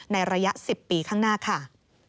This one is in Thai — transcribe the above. ในระยะ๑๐ปีข้างหน้าค่ะ